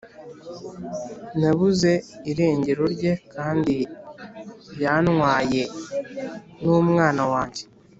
Nabuze irengero rye kandi yanwaye n’umwana wanjye